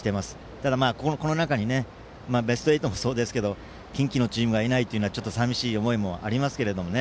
ただ、この中にベスト８もそうですけど近畿のチームがいないっていうのは、ちょっとさみしい思いもありますけどね